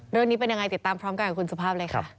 เรื่องนี้เป็นยังไงติดตามพร้อมกันกับคุณสุภาพเลยค่ะ